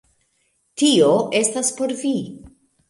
Tio estas por vi!